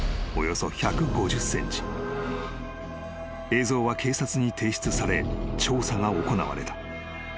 ［映像は警察に提出され調査が行われた］